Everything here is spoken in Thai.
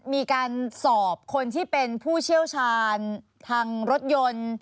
มีการสอบคนที่เป็นผู้เชี่ยวชาญทางรถยนต์